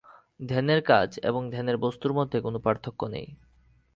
ধ্যানের কাজ এবং ধ্যানের বস্তুর মধ্যে কোন পার্থক্য নেই।